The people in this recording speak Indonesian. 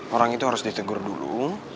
orang itu harus ditegur dulu